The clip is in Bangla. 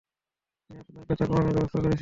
আমি আপনার ব্যাথা কমানোর ব্যবস্থা করছি!